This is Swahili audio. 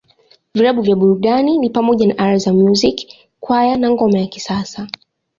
Vilabu vya burudani ni pamoja na Ala za Muziki, Kwaya, na Ngoma ya Kisasa.